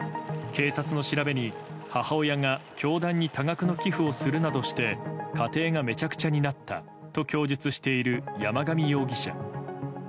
警察の調べに、母親が教団に多額の寄付をするなどして家庭がめちゃくちゃになったと供述している山上容疑者。